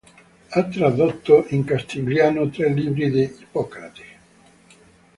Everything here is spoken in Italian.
Ha tradotto in castigliano tre libri di Ippocrate.